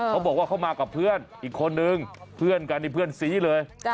เขาบอกว่าเขามากับเพื่อนอีกคนนึงเพื่อนกันนี่เพื่อนซีเลย